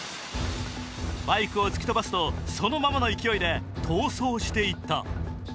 バイクを突き飛ばすとそのままの勢いで逃走していった。